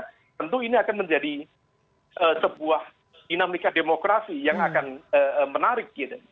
tentu ini akan menjadi sebuah dinamika demokrasi yang akan menarik gitu